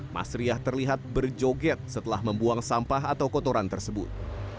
mas riah terlihat berjoget setelah membuang sampah atau kotoran tersebut